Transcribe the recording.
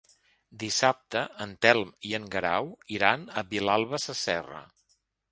Dissabte en Telm i en Guerau iran a Vilalba Sasserra.